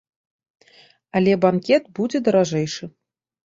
Але банкет будзе даражэйшы.